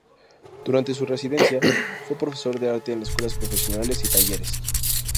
Durante su residencia, fue profesor de arte en escuelas profesionales y talleres.